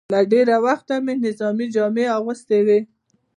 له ډېره وخته مې نظامي جامې اغوستې وې.